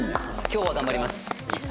今日は頑張ります。